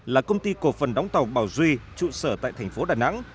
là công ty cổ phần đóng tàu bảo duy trụ sở tại thành phố đà nẵng